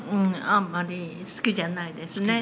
あんまり好きじゃない？